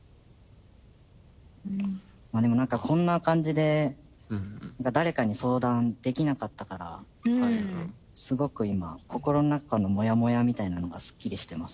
でも何かこんな感じで誰かに相談できなかったからすごく今心の中のモヤモヤみたいなのがすっきりしてます。